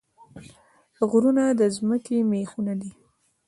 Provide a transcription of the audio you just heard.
غرونه د ځمکې میخونه دي